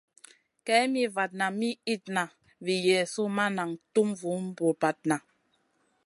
Kay mi vatna mi itna vi Yezu ma nan tum vun bra-bradna.